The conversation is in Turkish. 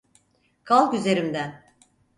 Kalk üzerimden!